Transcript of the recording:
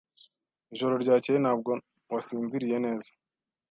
Ijoro ryakeye ntabwo wasinziriye neza?